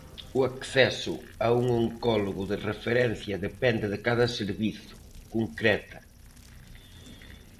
O acceso a un oncólogo de referencia, depende de cada servizo, concreta.